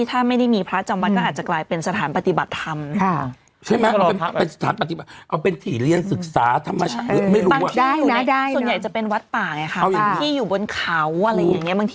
ถ้าไม่ได้มีพระจังวัฒน์ก็อาจจะกลายเป็นสถานปฏิบัติธรรม